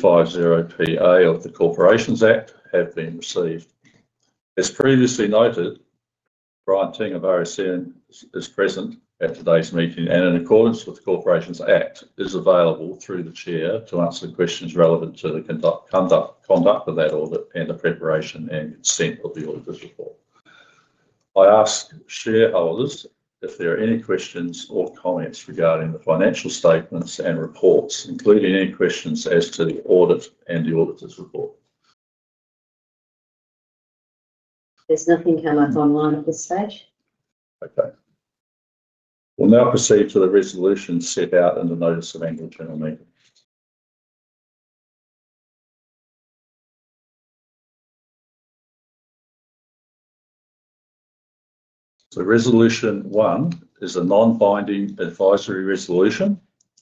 503A of the Corporations Act have been received. As previously noted, Bryan Ting of RSM is present at today's meeting and, in accordance with the Corporations Act, is available through the Chair to answer questions relevant to the conduct of that audit and the preparation and consent of the auditor's report. I ask shareholders if there are any questions or comments regarding the financial statements and reports, including any questions as to the audit and the auditor's report. There's nothing coming up online at this stage. Okay. We'll now proceed to the resolutions set out in the Notice of Annual General Meeting. Resolution 1 is a non-binding advisory resolution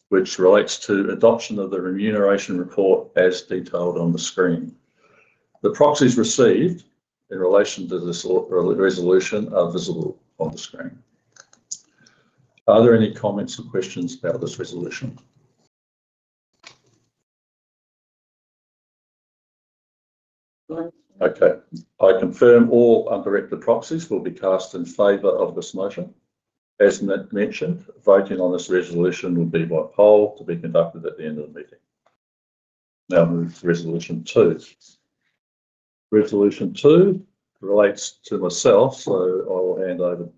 which relates to adoption of the remuneration report as detailed on the screen. The proxies received in relation to this resolution are visible on the screen. Are there any comments or questions about this resolution? None. Okay. I confirm all undirected proxies will be cast in favor of this motion. As mentioned, voting on this resolution will be by poll to be conducted at the end of the meeting. Now, Resolution 2. Resolution 2 relates to myself, so I will hand over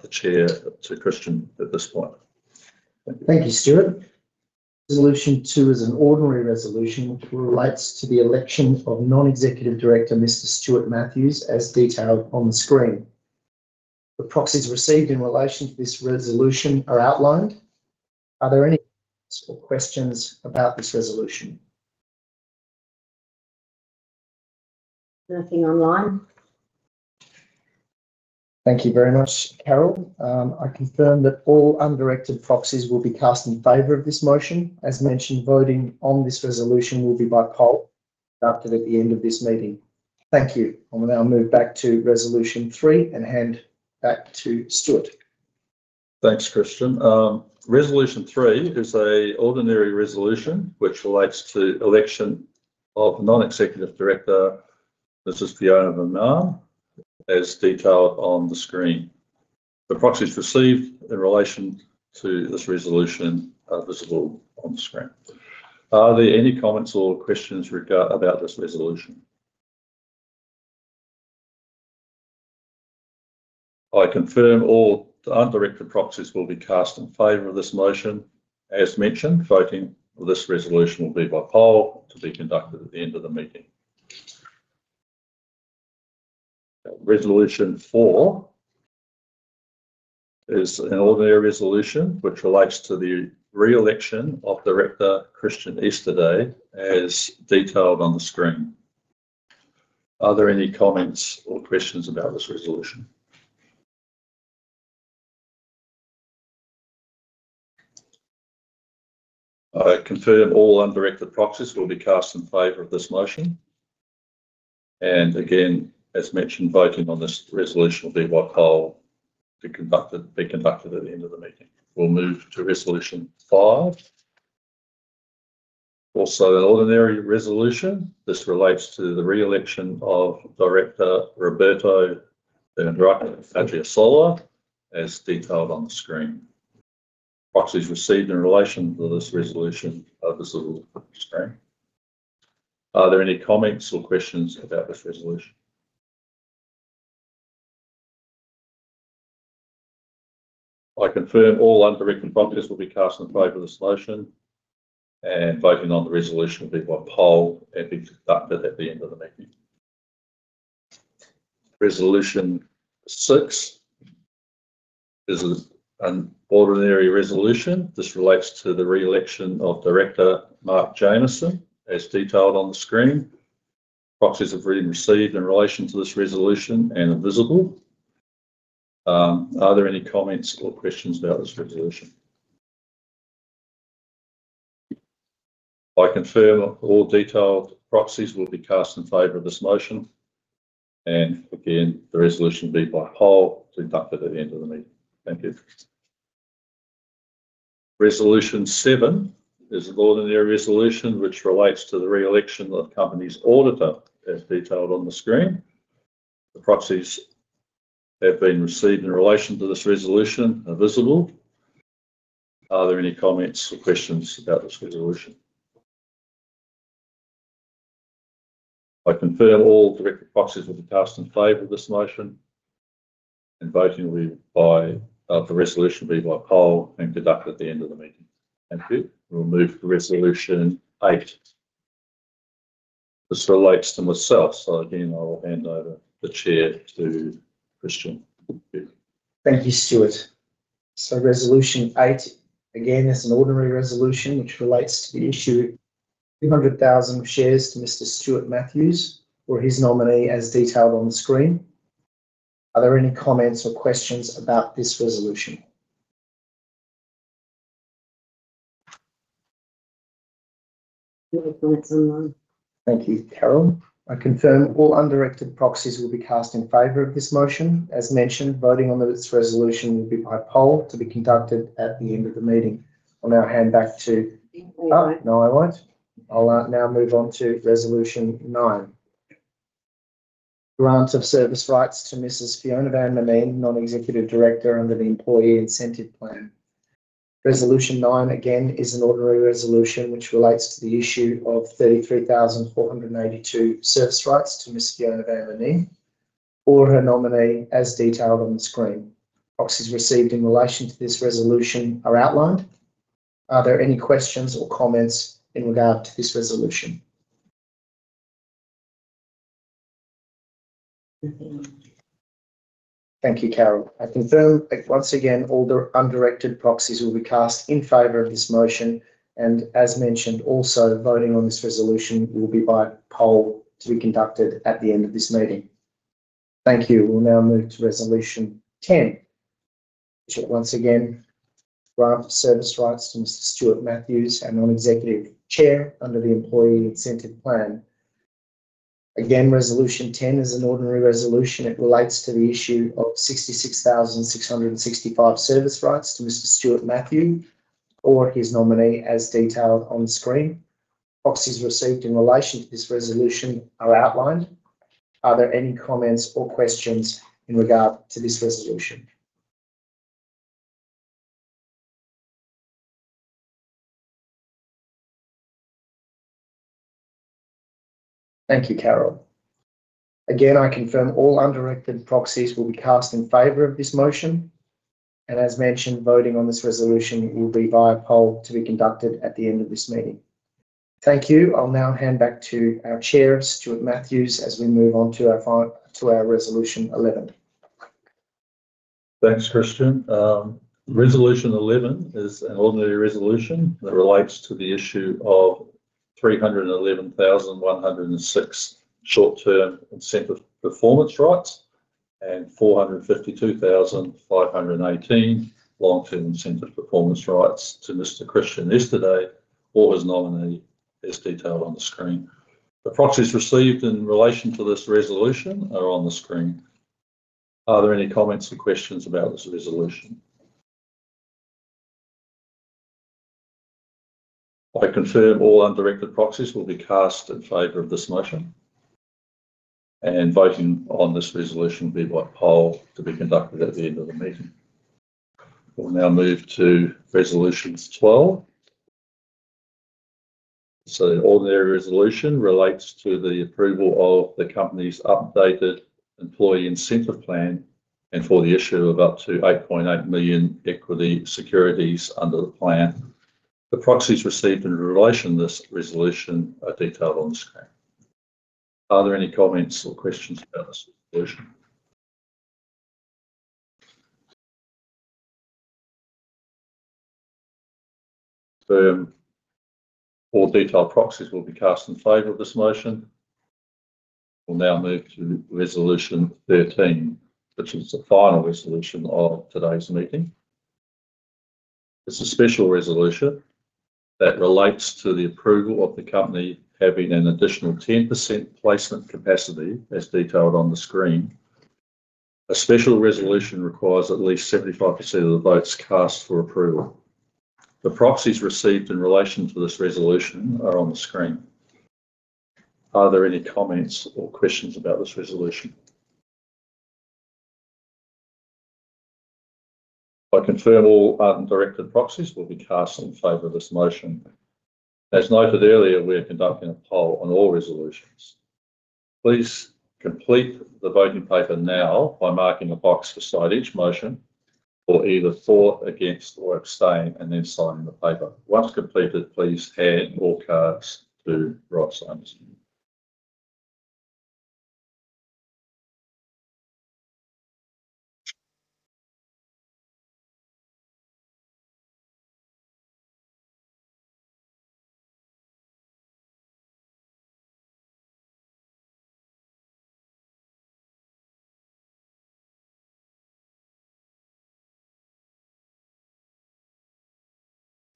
the Chair to Christian at this point. Thank you, Stuart. Resolution 2 is an ordinary resolution which relates to the election of Non-Executive Director Mr. Stuart Mathews, as detailed on the screen. The proxies received in relation to this resolution are outlined. Are there any comments or questions about this resolution? Nothing online. Thank you very much, Carol. I confirm that all undirected proxies will be cast in favor of this motion. As mentioned, voting on this resolution will be by poll conducted at the end of this meeting. Thank you. I will now move back to Resolution 3 and hand back to Stuart. Thanks, Christian. Resolution 3 is an ordinary resolution which relates to the election of non-executive director Mrs. Fiona Van Maanen, as detailed on the screen. The proxies received in relation to this resolution are visible on the screen. Are there any comments or questions about this resolution? I confirm all undirected proxies will be cast in favour of this motion. As mentioned, voting on this resolution will be by poll to be conducted at the end of the meeting. Resolution 4 is an ordinary resolution which relates to the re-election of director Christian Easterday, as detailed on the screen. Are there any comments or questions about this resolution? I confirm all undirected proxies will be cast in favour of this motion. As mentioned, voting on this resolution will be by poll to be conducted at the end of the meeting. We'll move to Resolution 5. Also, an ordinary resolution. This relates to the re-election of Director Roberto de Andraca Adriasola, as detailed on the screen. Proxies received in relation to this resolution are visible on the screen. Are there any comments or questions about this resolution? I confirm all undirected proxies will be cast in favor of this motion. Voting on the resolution will be by poll to be conducted at the end of the meeting. Resolution 6 is an ordinary resolution. This relates to the re-election of Director Mark Jamieson, as detailed on the screen. Proxies have been received in relation to this resolution and are visible. Are there any comments or questions about this resolution? I confirm all detailed proxies will be cast in favor of this motion. The resolution will be by poll conducted at the end of the meeting. Thank you. Resolution 7 is an ordinary resolution which relates to the re-election of the company's auditor, as detailed on the screen. The proxies have been received in relation to this resolution and are visible. Are there any comments or questions about this resolution? I confirm all directed proxies will be cast in favour of this motion. Voting will be by poll and conducted at the end of the meeting. Thank you. We will move to Resolution 8. This relates to myself, so again, I will hand over the Chair to Christian. Thank you, Stuart. Resolution 8, again, is an ordinary resolution which relates to the issue of 200,000 shares to Mr. Stuart Mathews or his nominee, as detailed on the screen. Are there any comments or questions about this resolution? Nothing online. Thank you, Carol. I confirm all undirected proxies will be cast in favor of this motion. As mentioned, voting on this resolution will be by poll to be conducted at the end of the meeting. I'll now hand back to—oh, no, I won't. I'll now move on to Resolution 9. Grant of service rights to Mrs. Fiona Van Maanen, Non-Executive Director under the Employee Incentive Plan. Resolution 9, again, is an ordinary resolution which relates to the issue of 33,482 service rights to Mrs. Fiona Van Maanen or her nominee, as detailed on the screen. Proxies received in relation to this resolution are outlined. Are there any questions or comments in regard to this resolution? Nothing. Thank you, Carol. I confirm once again all undirected proxies will be cast in favor of this motion. As mentioned, also, voting on this resolution will be by poll to be conducted at the end of this meeting. Thank you. We will now move to Resolution 10. Once again, grant of service rights to Mr. Stuart Mathews, a Non-Executive Chair under the Employee Incentive Plan. Again, Resolution 10 is an ordinary resolution. It relates to the issue of 66,665 service rights to Mr. Stuart Mathews or his nominee, as detailed on the screen. Proxies received in relation to this resolution are outlined. Are there any comments or questions in regard to this resolution? Thank you, Carol. Again, I confirm all undirected proxies will be cast in favor of this motion. As mentioned, voting on this resolution will be by poll to be conducted at the end of this meeting. Thank you. I'll now hand back to our Chair, Stuart Mathews, as we move on to our Resolution 11. Thanks, Christian. Resolution 11 is an ordinary resolution that relates to the issue of 311,106 short-term incentive performance rights and 452,518 long-term incentive performance rights to Mr. Christian Easterday or his nominee, as detailed on the screen. The proxies received in relation to this resolution are on the screen. Are there any comments or questions about this resolution? I confirm all undirected proxies will be cast in favor of this motion. Voting on this resolution will be by poll to be conducted at the end of the meeting. We will now move to Resolution 12. The ordinary resolution relates to the approval of the company's updated Employee Incentive Plan and for the issue of up to 8.8 million equity securities under the plan. The proxies received in relation to this resolution are detailed on the screen. Are there any comments or questions about this resolution? I confirm all detailed proxies will be cast in favor of this motion. We'll now move to Resolution 13, which is the final resolution of today's meeting. It's a special resolution that relates to the approval of the company having an additional 10% placement capacity, as detailed on the screen. A special resolution requires at least 75% of the votes cast for approval. The proxies received in relation to this resolution are on the screen. Are there any comments or questions about this resolution? I confirm all undirected proxies will be cast in favor of this motion. As noted earlier, we're conducting a poll on all resolutions. Please complete the voting paper now by marking a box beside each motion for either for, against, or abstain, and then signing the paper. Once completed, please hand all cards to Ross Anderson.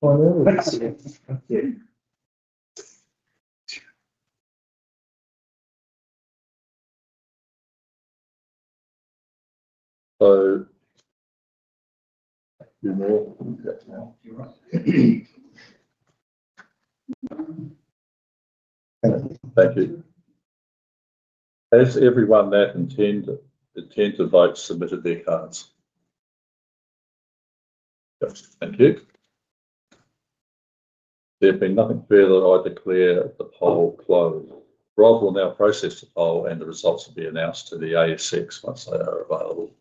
Thank you. Has everyone that intended to vote submitted their cards? Yes. Thank you. There being nothing further, I declare the poll closed. Ross will now process the poll, and the results will be announced to the ASX once they are available.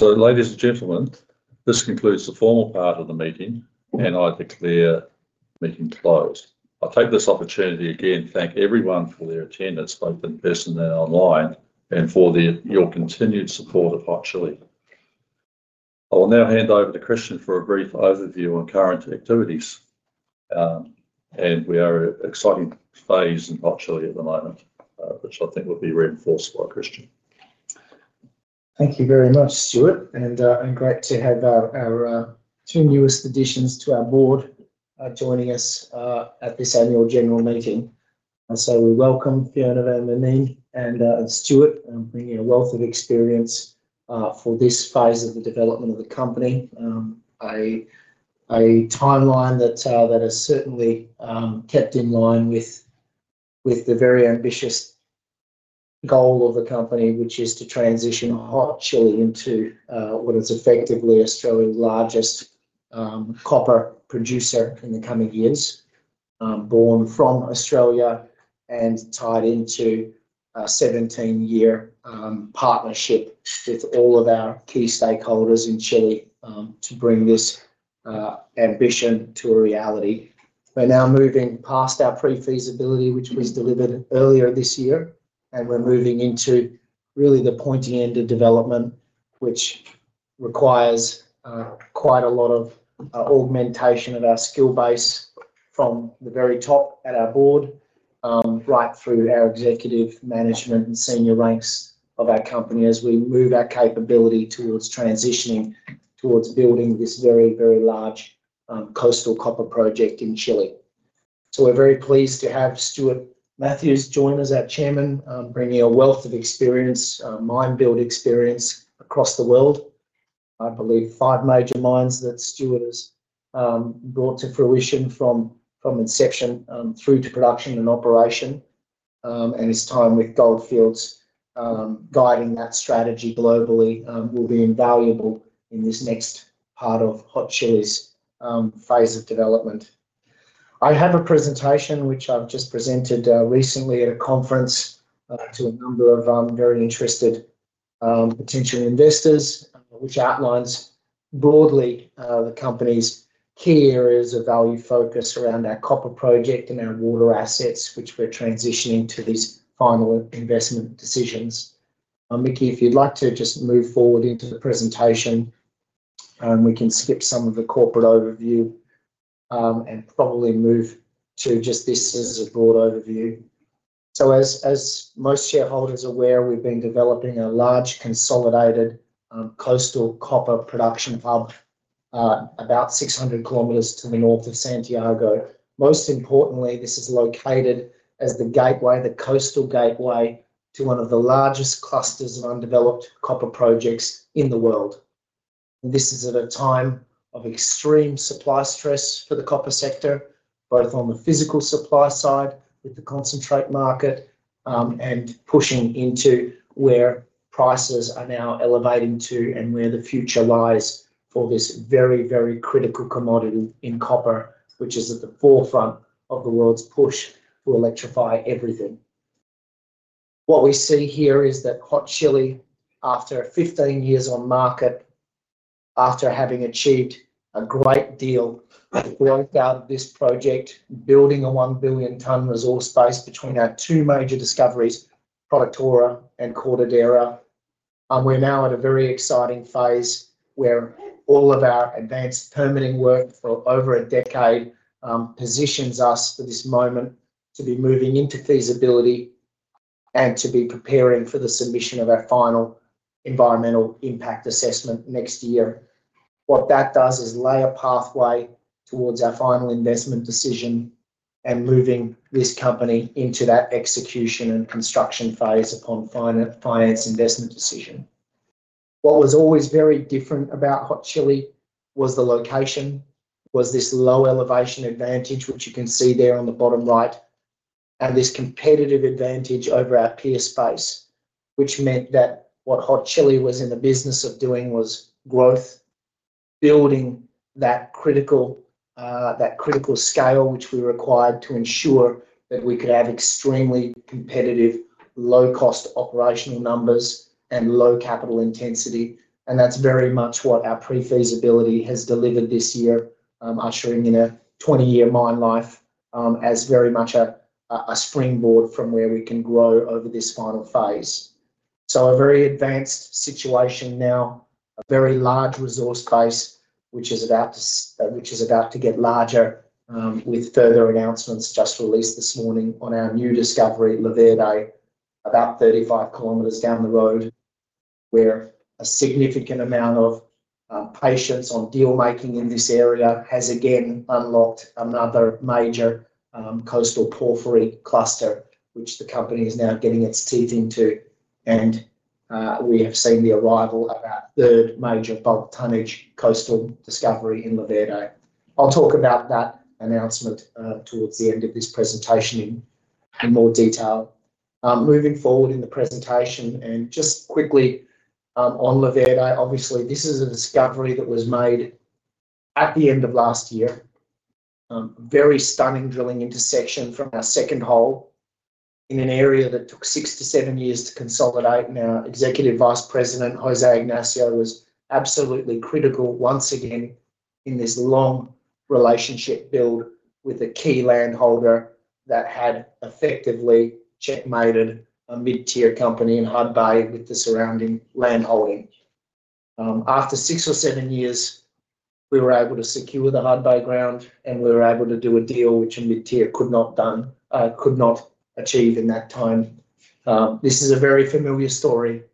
Ladies and gentlemen, this concludes the formal part of the meeting, and I declare the meeting closed. I take this opportunity to again thank everyone for their attendance, both in person and online, and for your continued support of Hot Chili. I will now hand over to Christian for a brief overview on current activities. We are at an exciting phase in Hot Chili at the moment, which I think will be reinforced by Christian. Thank you very much, Stuart. It is great to have our two newest additions to our board joining us at this Annual General Meeting. We welcome Fiona Van Maanen and Stuart, bringing a wealth of experience for this phase of the development of the company. A timeline that has certainly kept in line with the very ambitious goal of the company, which is to transition Hot Chili into what is effectively Australia's largest copper producer in the coming years, born from Australia and tied into a 17-year partnership with all of our key stakeholders in Chile to bring this ambition to a reality. We're now moving past our pre-feasibility, which was delivered earlier this year, and we're moving into really the pointy-ended development, which requires quite a lot of augmentation of our skill base from the very top at our board right through our executive management and senior ranks of our company as we move our capability towards transitioning towards building this very, very large coastal copper project in Chile. We are very pleased to have Stuart Mathews join as our Chairman, bringing a wealth of experience, mine-build experience across the world. I believe five major mines that Stuart has brought to fruition from inception through to production and operation. His time with Gold Fields guiding that strategy globally will be invaluable in this next part of Hot Chili's phase of development. I have a presentation, which I've just presented recently at a conference to a number of very interested potential investors, which outlines broadly the company's key areas of value focus around our copper project and our water assets, which we're transitioning to these final investment decisions. Mickey, if you'd like to just move forward into the presentation, we can skip some of the corporate overview and probably move to just this as a broad overview. As most shareholders are aware, we've been developing a large consolidated coastal copper production hub about 600 km to the north of Santiago. Most importantly, this is located as the gateway, the coastal gateway to one of the largest clusters of undeveloped copper projects in the world. This is at a time of extreme supply stress for the copper sector, both on the physical supply side with the concentrate market and pushing into where prices are now elevating to and where the future lies for this very, very critical commodity in copper, which is at the forefront of the world's push to electrify everything. What we see here is that Hot Chili, after 15 years on market, after having achieved a great deal with this project, building a one billion ton resource base between our two major discoveries, Productora and Cortadera, we are now at a very exciting phase where all of our advanced permitting work for over a decade positions us for this moment to be moving into feasibility and to be preparing for the submission of our final environmental impact assessment next year. What that does is lay a pathway towards our final investment decision and moving this company into that execution and construction phase upon finance investment decision. What was always very different about Hot Chili was the location, was this low elevation advantage, which you can see there on the bottom right, and this competitive advantage over our peer space, which meant that what Hot Chili was in the business of doing was growth, building that critical scale which we required to ensure that we could have extremely competitive, low-cost operational numbers and low capital intensity. That is very much what our pre-feasibility has delivered this year, ushering in a 20-year mine life as very much a springboard from where we can grow over this final phase. A very advanced situation now, a very large resource base which is about to get larger with further announcements just released this morning on our new discovery, La Verde, about 35 km down the road, where a significant amount of patience on dealmaking in this area has again unlocked another major coastal porphyry cluster, which the company is now getting its teeth into. We have seen the arrival of our third major bulk tonnage coastal discovery in La Verde. I'll talk about that announcement towards the end of this presentation in more detail. Moving forward in the presentation and just quickly on La Verde, obviously, this is a discovery that was made at the end of last year, a very stunning drilling intersection from our second hole in an area that took six to seven years to consolidate. Our Executive Vice President, Jose Ignacio, was absolutely critical once again in this long relationship build with a key landholder that had effectively checkmated a mid-tier company in Hudbay with the surrounding landholding. After six or seven years, we were able to secure the Hudbay ground, and we were able to do a deal which a mid-tier could not achieve in that time. This is a very familiar story.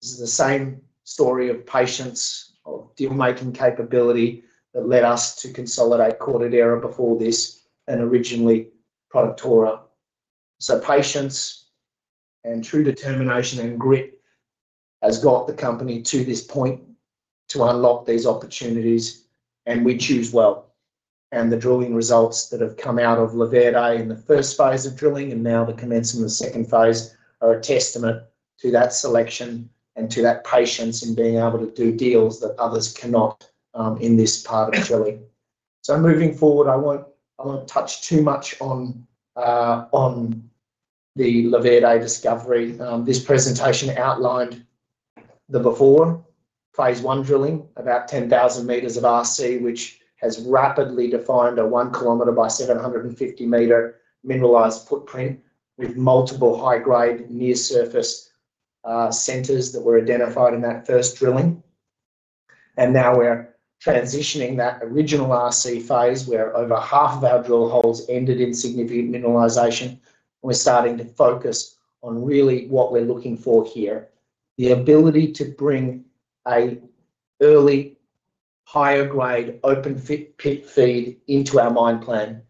This is the same story of patience, of dealmaking capability that led us to consolidate Cortadera before this and originally Productora. Patience and true determination and grit has got the company to this point to unlock these opportunities, and we choose well. The drilling results that have come out of La Verde in the first phase of drilling and now the commencing of the second phase are a testament to that selection and to that patience in being able to do deals that others cannot in this part of Chile. Moving forward, I will not touch too much on the La Verde discovery. This presentation outlined the before phase one drilling about 10,000 meters of RC, which has rapidly defined a 1 kilometer by 750 meter mineralized footprint with multiple high-grade near-surface centers that were identified in that first drilling. Now we are transitioning that original RC phase where over half of our drill holes ended in significant mineralization. We're starting to focus on really what we're looking for here: the ability to bring an early higher-grade open pit feed into our mine plan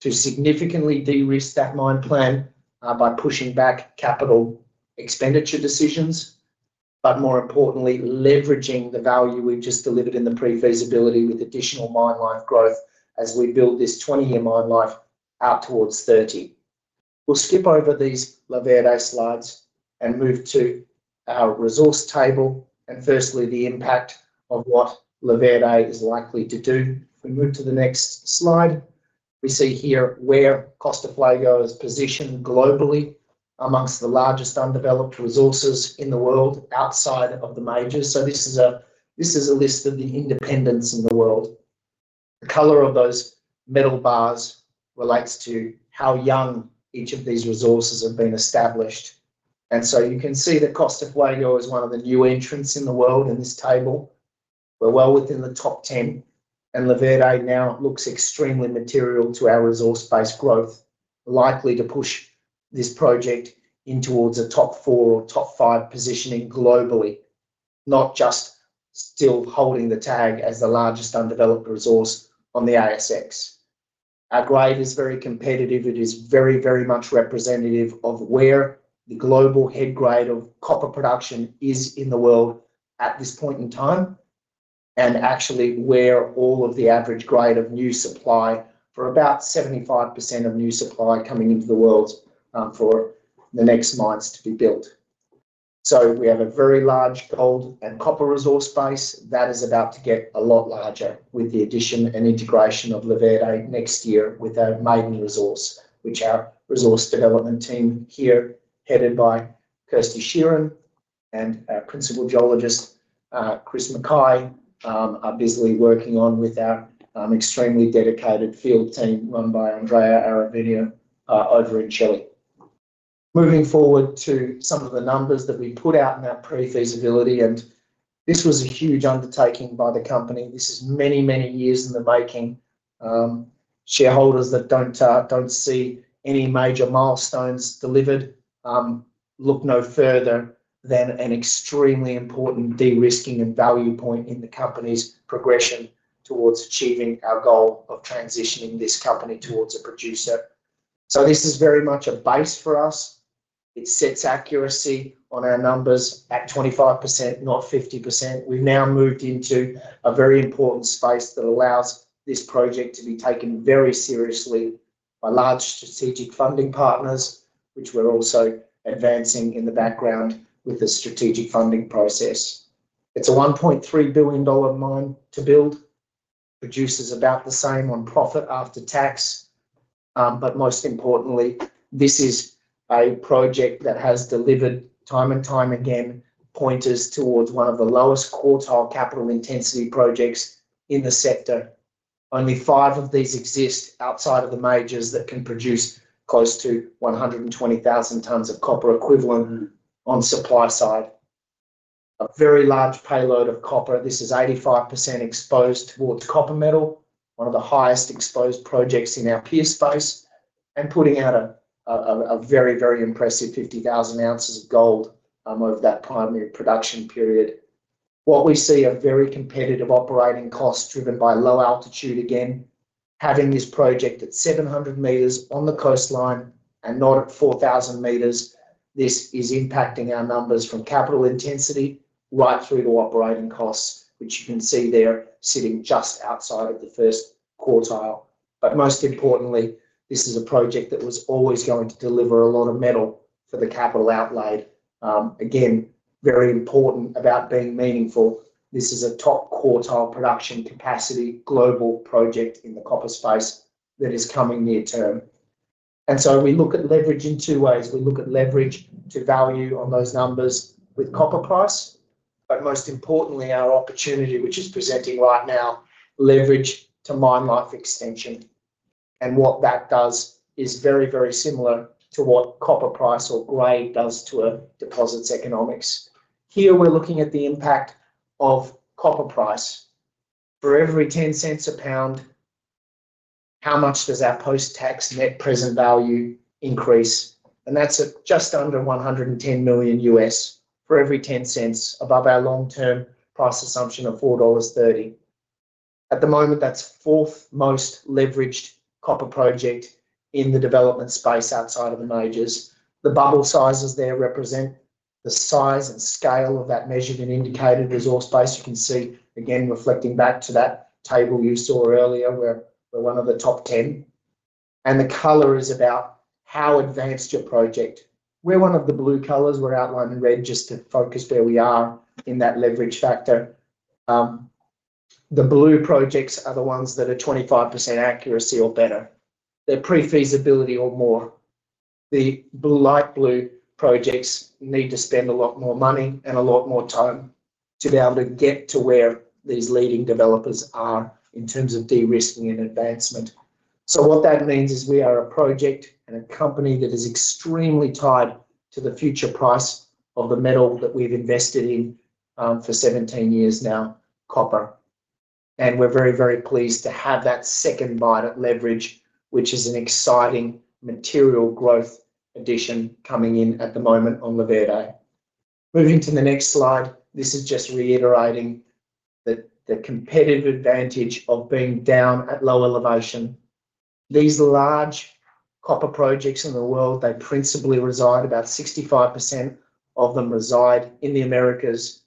to significantly de-risk that mine plan by pushing back capital expenditure decisions, but more importantly, leveraging the value we've just delivered in the pre-feasibility with additional mine life growth as we build this 20-year mine life out towards 30. We'll skip over these La Verde slides and move to our resource table. Firstly, the impact of what La Verde is likely to do. If we move to the next slide, we see here where Costa Fuego is positioned globally amongst the largest undeveloped resources in the world outside of the majors. This is a list of the independents in the world. The color of those metal bars relates to how young each of these resources have been established. You can see that Costa Fuego is one of the new entrants in the world in this table. We're well within the top 10. La Verde now looks extremely material to our resource-based growth, likely to push this project in towards a top four or top five positioning globally, not just still holding the tag as the largest undeveloped resource on the ASX. Our grade is very competitive. It is very, very much representative of where the global head grade of copper production is in the world at this point in time and actually where all of the average grade of new supply for about 75% of new supply coming into the world for the next mines to be built. We have a very large gold and copper resource base that is about to get a lot larger with the addition and integration of La Verde next year with our maiden resource, which our resource development team here, headed by Kirsty Sheeran and our principal geologist, Chris Mackay, are busily working on with our extremely dedicated field team run by Andrea Araya over in Chile. Moving forward to some of the numbers that we put out in that pre-feasibility. This was a huge undertaking by the company. This is many, many years in the making. Shareholders that do not see any major milestones delivered look no further than an extremely important de-risking and value point in the company's progression towards achieving our goal of transitioning this company towards a producer. This is very much a base for us. It sets accuracy on our numbers at 25%, not 50%. We've now moved into a very important space that allows this project to be taken very seriously by large strategic funding partners, which we're also advancing in the background with the strategic funding process. It's a $1.3 billion mine to build. Produces about the same on profit after tax. Most importantly, this is a project that has delivered time and time again pointers towards one of the lowest quartile capital intensity projects in the sector. Only five of these exist outside of the majors that can produce close to 120,000 tons of copper equivalent on supply side. A very large payload of copper. This is 85% exposed towards copper metal, one of the highest exposed projects in our peer space, and putting out a very, very impressive 50,000 ounces of gold over that primary production period. What we see are very competitive operating costs driven by low altitude. Again, having this project at 700 meters on the coastline and not at 4,000 meters, this is impacting our numbers from capital intensity right through to operating costs, which you can see there sitting just outside of the first quartile. Most importantly, this is a project that was always going to deliver a lot of metal for the capital outlaid. Again, very important about being meaningful. This is a top quartile production capacity global project in the copper space that is coming near term. We look at leverage in two ways. We look at leverage to value on those numbers with copper price, but most importantly, our opportunity, which is presenting right now, leverage to mine life extension. What that does is very, very similar to what copper price or grade does to a deposit's economics. Here we're looking at the impact of copper price. For every $0.10 a pound, how much does our post-tax net present value increase? That is just under $110 million US for every $0.10 above our long-term price assumption of $4.30. At the moment, that is the fourth most leveraged copper project in the development space outside of the majors. The bubble sizes there represent the size and scale of that measured and indicated resource base. You can see, again, reflecting back to that table you saw earlier where we are one of the top 10. The color is about how advanced your project is. We are one of the blue colors; we are outlined in red just to focus where we are in that leverage factor. The blue projects are the ones that are 25% accuracy or better. They are pre-feasibility or more. The light blue projects need to spend a lot more money and a lot more time to be able to get to where these leading developers are in terms of de-risking and advancement. What that means is we are a project and a company that is extremely tied to the future price of the metal that we've invested in for 17 years now, copper. We're very, very pleased to have that second bite at leverage, which is an exciting material growth addition coming in at the moment on La Verde. Moving to the next slide, this is just reiterating the competitive advantage of being down at low elevation. These large copper projects in the world, they principally reside, about 65% of them reside in the Americas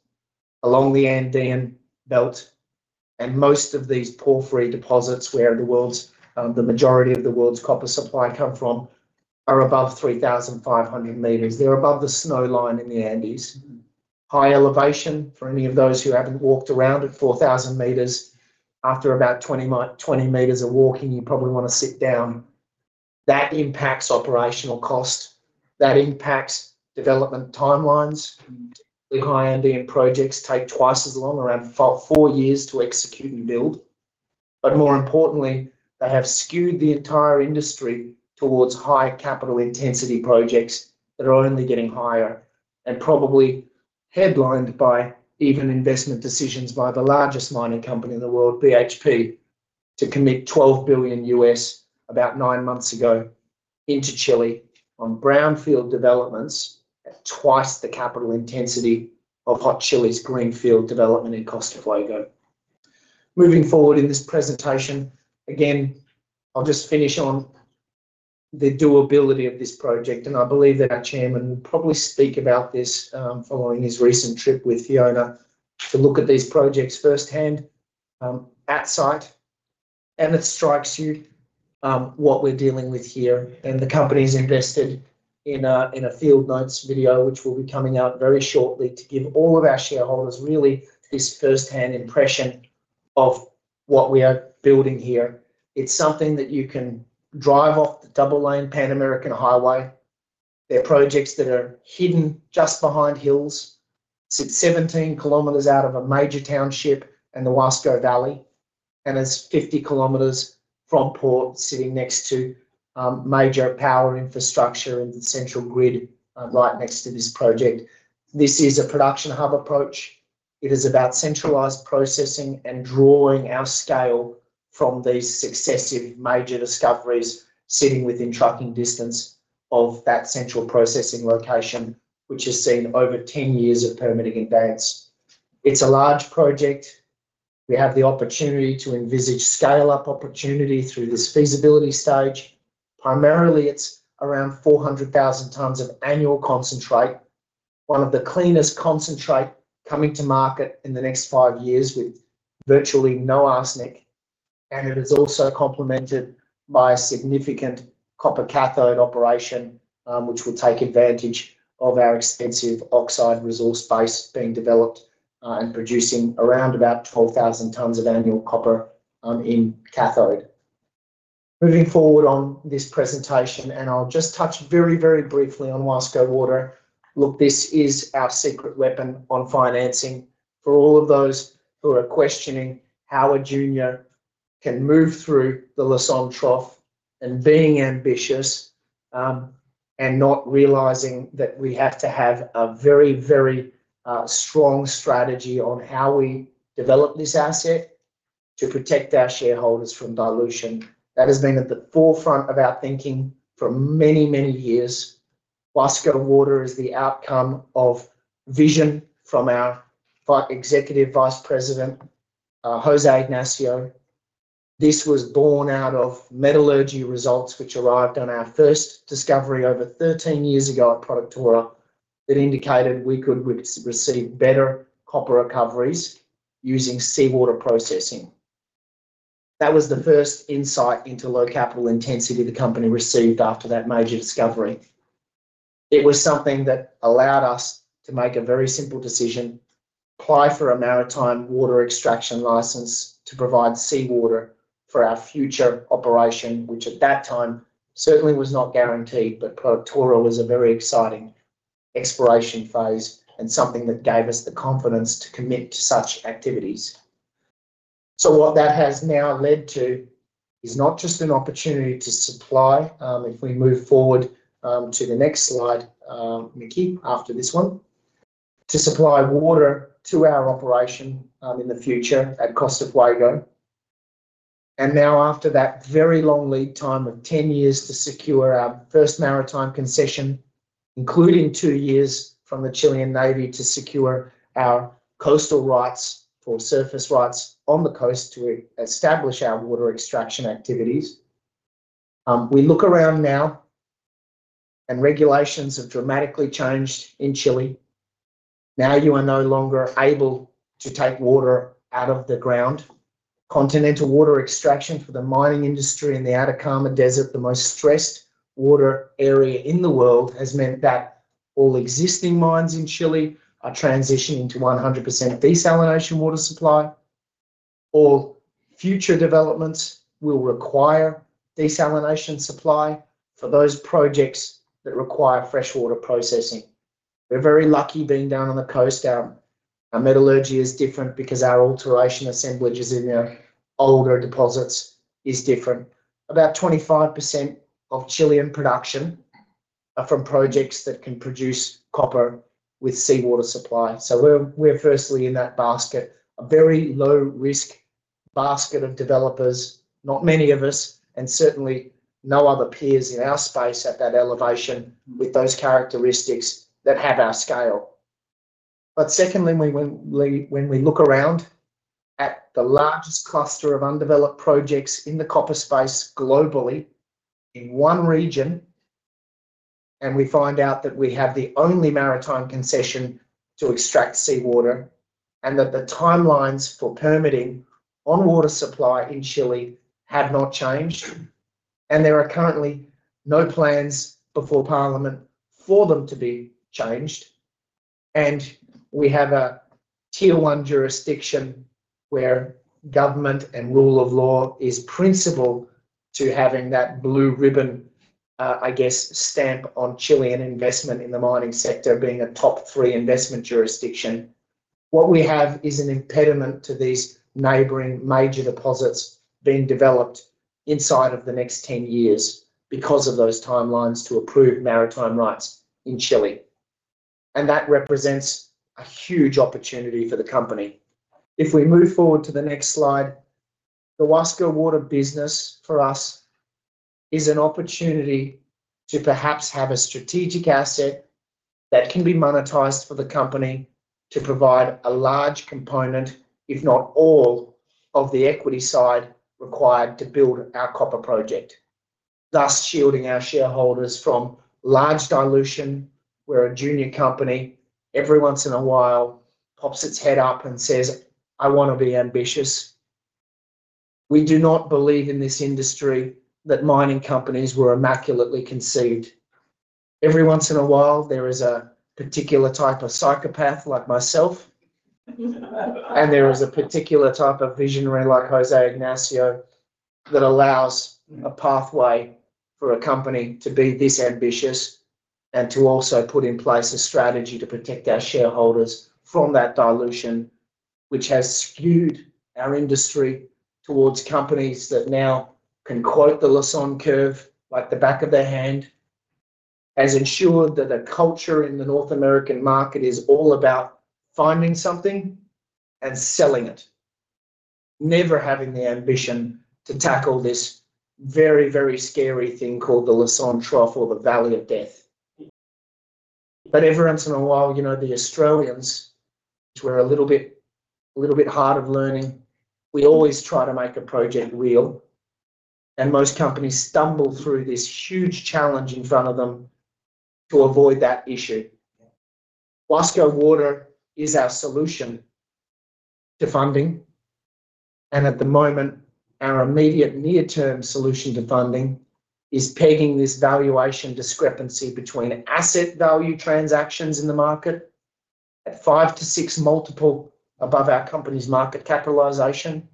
along the Andean Belt. Most of these porphyry deposits, where the majority of the world's copper supply come from, are above 3,500 meters. They are above the snow line in the Andes. High elevation, for any of those who have not walked around at 4,000 meters, after about 20 meters of walking, you probably want to sit down. That impacts operational cost. That impacts development timelines. The high Andean projects take twice as long, around four years to execute and build. More importantly, they have skewed the entire industry towards high capital intensity projects that are only getting higher and probably headlined by even investment decisions by the largest mining company in the world, BHP, to commit $12 billion about nine months ago into Chile on brownfield developments at twice the capital intensity of Hot Chili's greenfield development in Costa Fuego. Moving forward in this presentation, again, I'll just finish on the doability of this project. I believe that our Chairman will probably speak about this following his recent trip with Fiona to look at these projects firsthand at site. It strikes you what we're dealing with here. The company's invested in a field notes video, which will be coming out very shortly, to give all of our shareholders really this firsthand impression of what we are building here. It's something that you can drive off the double-lane Pan American Highway. They're projects that are hidden just behind hills. It's 17 kilometers out of a major township and the Wasco Valley and is 50 kilometers from port, sitting next to major power infrastructure in the central grid right next to this project. This is a production hub approach. It is about centralized processing and drawing our scale from these successive major discoveries sitting within tracking distance of that central processing location, which has seen over 10 years of permitting advance. It is a large project. We have the opportunity to envisage scale-up opportunity through this feasibility stage. Primarily, it is around 400,000 tons of annual concentrate, one of the cleanest concentrate coming to market in the next five years with virtually no arsenic. It is also complemented by a significant copper cathode operation, which will take advantage of our extensive oxide resource base being developed and producing around about 12,000 tons of annual copper in cathode. Moving forward on this presentation, and I will just touch very, very briefly on Huasco Water. Look, this is our secret weapon on financing for all of those who are questioning how a junior can move through the La Son Trof and being ambitious and not realizing that we have to have a very, very strong strategy on how we develop this asset to protect our shareholders from dilution. That has been at the forefront of our thinking for many, many years. Vallenar Water is the outcome of vision from our Executive Vice President, José Ignacio. This was born out of metallurgy results, which arrived on our first discovery over 13 years ago at Productora that indicated we could receive better copper recoveries using seawater processing. That was the first insight into low capital intensity the company received after that major discovery. It was something that allowed us to make a very simple decision: apply for a maritime water extraction license to provide seawater for our future operation, which at that time certainly was not guaranteed. Productora was a very exciting exploration phase and something that gave us the confidence to commit to such activities. What that has now led to is not just an opportunity to supply—if we move forward to the next slide, Micky, after this one—to supply water to our operation in the future at Costa Fuego. Now, after that very long lead time of 10 years to secure our first maritime concession, including two years from the Chilean Navy to secure our coastal rights for surface rights on the coast to establish our water extraction activities, we look around now, and regulations have dramatically changed in Chile. Now you are no longer able to take water out of the ground. Continental water extraction for the mining industry in the Atacama Desert, the most stressed water area in the world, has meant that all existing mines in Chile are transitioning to 100% desalination water supply. All future developments will require desalination supply for those projects that require freshwater processing. We're very lucky being down on the coast. Our metallurgy is different because our alteration assemblages in the older deposits are different. About 25% of Chilean production are from projects that can produce copper with seawater supply. We're firstly in that basket, a very low-risk basket of developers, not many of us, and certainly no other peers in our space at that elevation with those characteristics that have our scale. Secondly, when we look around at the largest cluster of undeveloped projects in the copper space globally in one region, and we find out that we have the only maritime concession to extract seawater and that the timelines for permitting on water supply in Chile have not changed, and there are currently no plans before Parliament for them to be changed. We have a tier-one jurisdiction where government and rule of law is principal to having that blue ribbon, I guess, stamp on Chilean investment in the mining sector being a top three investment jurisdiction. What we have is an impediment to these neighboring major deposits being developed inside of the next 10 years because of those timelines to approve maritime rights in Chile. That represents a huge opportunity for the company. If we move forward to the next slide, the Vallenar Water business for us is an opportunity to perhaps have a strategic asset that can be monetized for the company to provide a large component, if not all, of the equity side required to build our copper project, thus shielding our shareholders from large dilution where a junior company every once in a while pops its head up and says, "I want to be ambitious." We do not believe in this industry that mining companies were immaculately conceived. Every once in a while, there is a particular type of psychopath like myself, and there is a particular type of visionary like José Ignacio that allows a pathway for a company to be this ambitious and to also put in place a strategy to protect our shareholders from that dilution, which has skewed our industry towards companies that now can quote the La Son curve like the back of their hand, has ensured that the culture in the North American market is all about finding something and selling it, never having the ambition to tackle this very, very scary thing called the La Son Trof or the Valley of Death. Every once in a while, the Australians, which we're a little bit hard of learning, we always try to make a project real. Most companies stumble through this huge challenge in front of them to avoid that issue. Huasco Water is our solution to funding. At the moment, our immediate near-term solution to funding is pegging this valuation discrepancy between asset value transactions in the market at five- to six-times multiple above our company's market capitalization.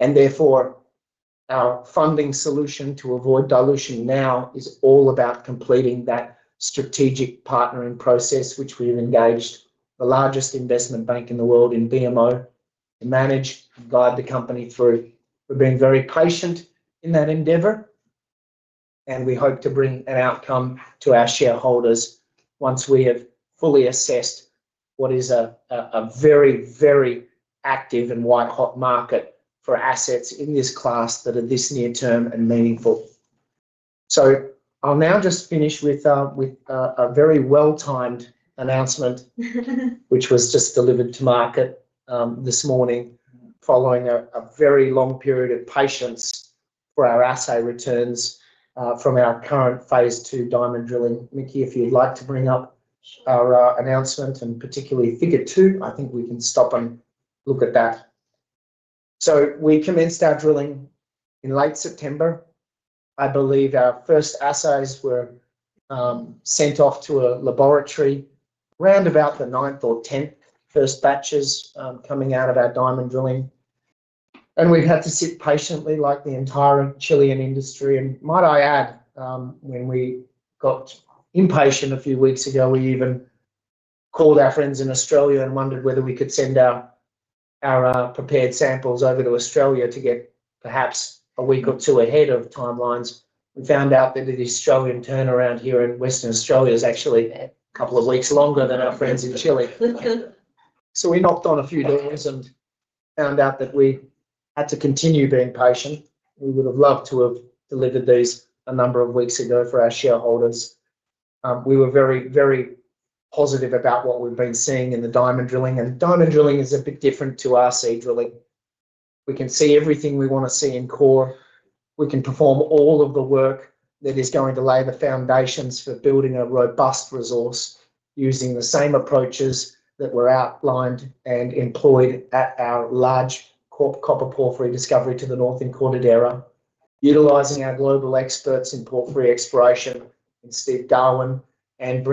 Therefore, our funding solution to avoid dilution now is all about completing that strategic partnering process, which we have engaged the largest investment bank in the world, BMO, to manage and guide the company through. We have been very patient in that endeavor, and we hope to bring an outcome to our shareholders once we have fully assessed what is a very, very active and white-hot market for assets in this class that are this near-term and meaningful. I'll now just finish with a very well-timed announcement, which was just delivered to market this morning following a very long period of patience for our assay returns from our current phase two diamond drilling. Micky, if you'd like to bring up our announcement and particularly figure two, I think we can stop and look at that. We commenced our drilling in late September. I believe our first assays were sent off to a laboratory around about the 9th or 10th, first batches coming out of our diamond drilling. We've had to sit patiently like the entire Chilean industry. Might I add, when we got impatient a few weeks ago, we even called our friends in Australia and wondered whether we could send our prepared samples over to Australia to get perhaps a week or two ahead of timelines. We found out that the Australian turnaround here in Western Australia is actually a couple of weeks longer than our friends in Chile. We knocked on a few doors and found out that we had to continue being patient. We would have loved to have delivered these a number of weeks ago for our shareholders. We were very, very positive about what we've been seeing in the diamond drilling. Diamond drilling is a bit different to RC drilling. We can see everything we want to see in core. We can perform all of the work that is going to lay the foundations for building a robust resource using the same approaches that were outlined and employed at our large copper porphyry discovery to the north in Cortadera, utilizing our global experts in porphyry exploration in Steve Darwin and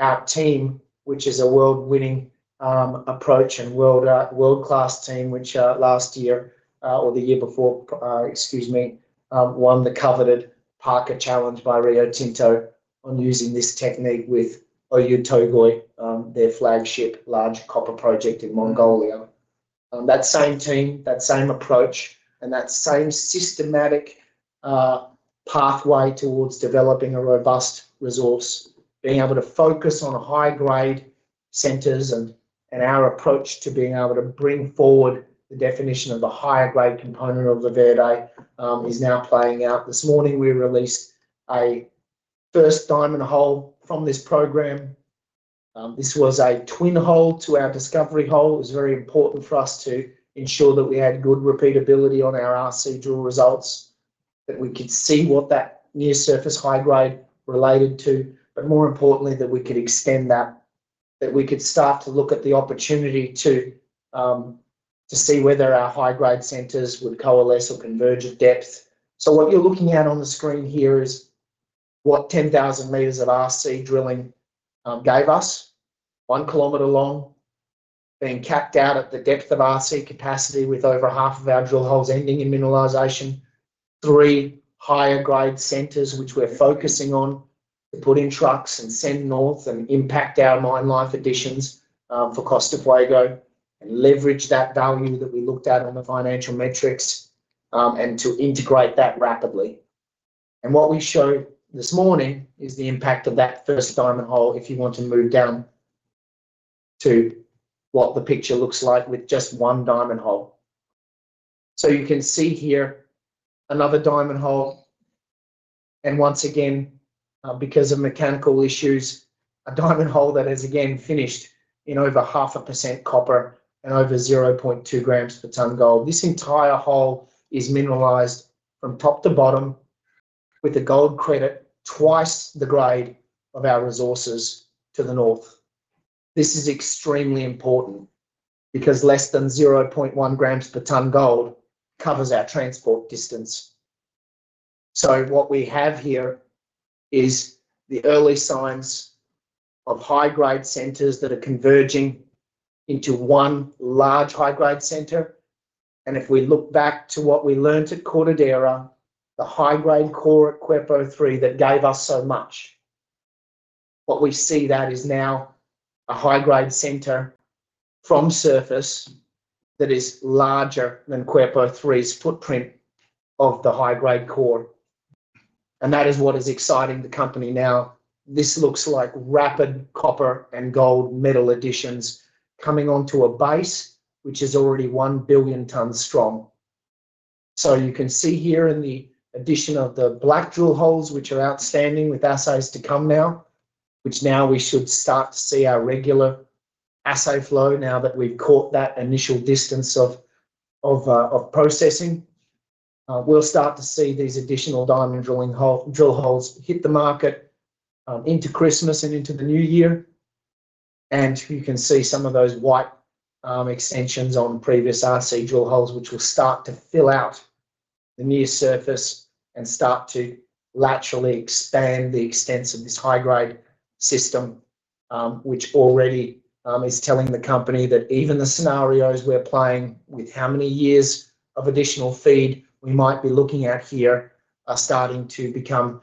bringing our team, which is a world-winning approach and world-class team, which last year or the year before, excuse me, won the coveted Parker Challenge by Rio Tinto on using this technique with Oyu Tolgoi, their flagship large copper project in Mongolia. That same team, that same approach, and that same systematic pathway towards developing a robust resource, being able to focus on high-grade centers and our approach to being able to bring forward the definition of a higher-grade component of La Verde is now playing out. This morning, we released a first diamond hole from this program. This was a twin hole to our discovery hole. It was very important for us to ensure that we had good repeatability on our RC drill results, that we could see what that near-surface high-grade related to, but more importantly, that we could extend that, that we could start to look at the opportunity to see whether our high-grade centers would coalesce or converge at depth. What you're looking at on the screen here is what 10,000 meters of RC drilling gave us: one kilometer long, being capped out at the depth of RC capacity with over half of our drill holes ending in mineralization, three higher-grade centers which we're focusing on to put in trucks and send north and impact our mine life additions for Costa Fuego and leverage that value that we looked at on the financial metrics and to integrate that rapidly. What we showed this morning is the impact of that first diamond hole if you want to move down to what the picture looks like with just one diamond hole. You can see here another diamond hole. Once again, because of mechanical issues, a diamond hole that has again finished in over 0.5% copper and over 0.2 grams per ton gold. This entire hole is mineralized from top to bottom with a gold credit twice the grade of our resources to the north. This is extremely important because less than 0.1 grams per ton gold covers our transport distance. What we have here is the early signs of high-grade centers that are converging into one large high-grade center. If we look back to what we learned at Cortadera, the high-grade core at Quebrada III that gave us so much, what we see is that there is now a high-grade center from surface that is larger than Quebrada III's footprint of the high-grade core. That is what is exciting the company now. This looks like rapid copper and gold metal additions coming onto a base which is already one billion tons strong. You can see here in the addition of the black drill holes, which are outstanding with assays to come now, and now we should start to see our regular assay flow now that we've caught that initial distance of processing. We'll start to see these additional diamond drill holes hit the market into Christmas and into the new year. You can see some of those white extensions on previous RC drill holes, which will start to fill out the near surface and start to laterally expand the extents of this high-grade system, which already is telling the company that even the scenarios we're playing with, how many years of additional feed we might be looking at here, are starting to become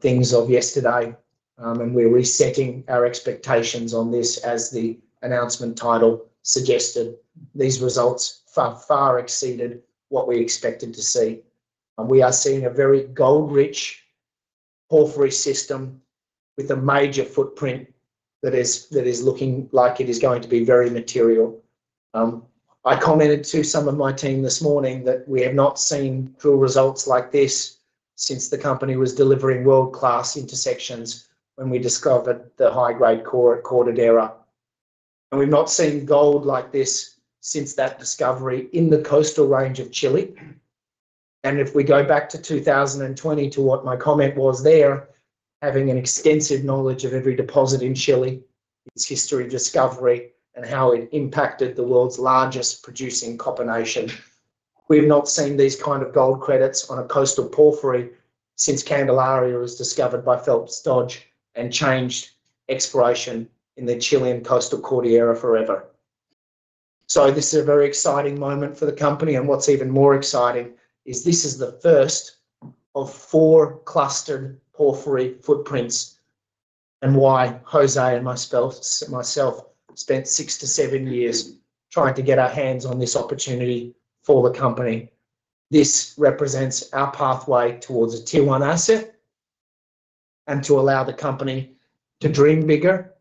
things of yesterday. We're resetting our expectations on this as the announcement title suggested. These results far exceeded what we expected to see. We are seeing a very gold-rich porphyry system with a major footprint that is looking like it is going to be very material. I commented to some of my team this morning that we have not seen drill results like this since the company was delivering world-class intersections when we discovered the high-grade core at Cortadera. We have not seen gold like this since that discovery in the coastal range of Chile. If we go back to 2020 to what my comment was there, having an extensive knowledge of every deposit in Chile, its history of discovery, and how it impacted the world's largest producing copper nation, we have not seen these kind of gold credits on a coastal porphyry since Candelaria was discovered by Phelps Dodge and changed exploration in the Chilean coastal Cordillera forever. This is a very exciting moment for the company. What's even more exciting is this is the first of four clustered porphyry footprints, and why José and myself spent six to seven years trying to get our hands on this opportunity for the company. This represents our pathway towards a tier-one asset and to allow the company to dream bigger